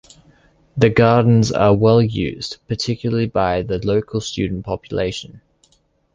The gardens are well used, particularly by the local student population.